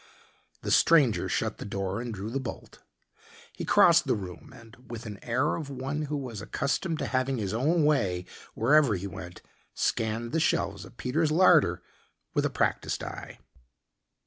The stranger shut the door and drew the bolt. He crossed the room and, with an air of one who was accustomed to having his own way wherever he went, scanned the shelves of Peter's larder with a practiced eye.